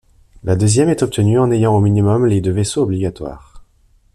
La deuxième est obtenue en ayant au minimum les de vaisseau obligatoires.